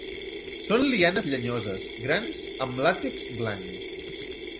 Són lianes llenyoses, grans, amb làtex blanc.